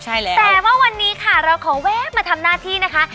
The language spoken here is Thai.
แต่ว่าวันนี้ค่ะเราขอแว๊บมาทำหน้าที่นะคะ